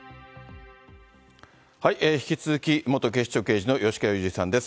引き続き、元警視庁刑事の吉川祐二さんです。